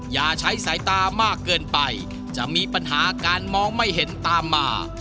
อย่าใช้สายตามากเกินไปจะมีปัญหาการมองไม่เห็นตามมา